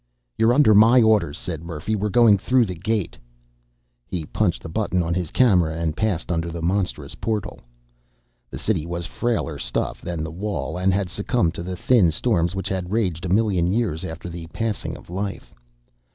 "You're under my orders," said Murphy. "We're going through the gate." He punched the button on his camera and passed under the monstrous portal. The city was frailer stuff than the wall, and had succumbed to the thin storms which had raged a million years after the passing of life.